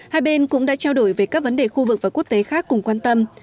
hai bên cũng đã trao đổi về các vấn đề khu vực và quốc tế khác cùng quan tâm